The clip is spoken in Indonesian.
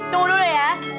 tunggu dulu ya